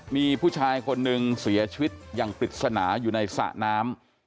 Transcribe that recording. มีผู้ชายคนหนึ่งเสียชีวิตอย่างปริศนาอยู่ในสระน้ำ